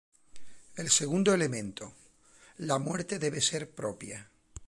El segundo elemento: la muerte debe ser propia.